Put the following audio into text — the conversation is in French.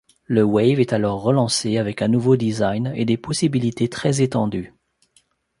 Le Wave est alors relancé avec un nouveau design et des possibilités très étendues.